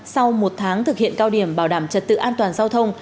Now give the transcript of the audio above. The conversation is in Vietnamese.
sau một tháng thực hiện cao điểm bảo đảm trật tự an toàn giao thông